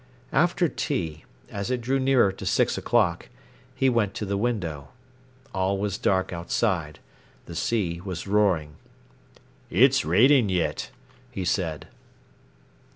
After tea, as it drew near to six o'clock, he went to the window. All was dark outside. The sea was roaring. "It's raining yet," he said.